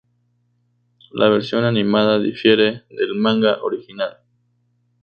La versión animada difiere del manga original.